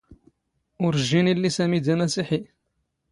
ⵓⵔ ⵊⵊⵉⵏ ⵉⵍⵍⵉ ⵙⴰⵎⵉ ⴷ ⴰⵎⴰⵙⵉⵃⵉ.